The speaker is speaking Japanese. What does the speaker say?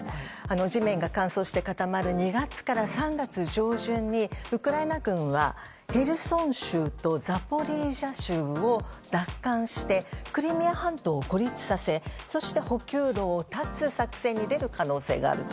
地面が乾燥して固まる２月から３月上旬にウクライナ軍はヘルソン州とザポリージャ州を奪還してクリミア半島を孤立させそして、補給路を断つ作戦に出る可能性があると。